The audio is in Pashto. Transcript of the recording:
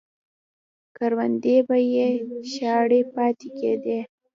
کروندې به یې شاړې پاتې کېدې.